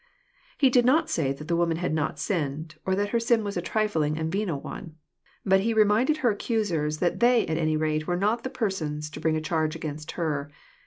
— He did not say that the woman had not sinned, or that her sin was a trifling and venial one. But He reminded her accusers that they at any rate were not the persons to bring a charge against her.